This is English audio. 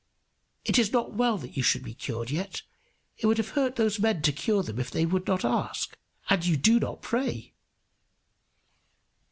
It is not well that you should be cured yet. It would have hurt these men to cure them if they would not ask. And you do not pray."